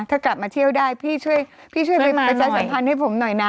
ถ้ากลับมาเที่ยวได้พี่ช่วยพี่ช่วยไปประชาสัมพันธ์ให้ผมหน่อยนะ